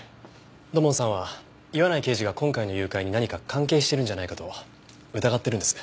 土門さんは岩内刑事が今回の誘拐に何か関係してるんじゃないかと疑ってるんです。